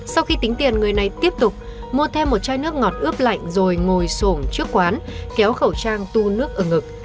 sau khi tính tiền người này tiếp tục mua thêm một chai nước ngọt ướp lạnh rồi ngồi sổm trước quán kéo khẩu trang tu nước ở ngực